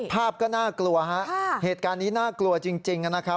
ภาพก็น่ากลัวฮะเหตุการณ์นี้น่ากลัวจริงนะครับ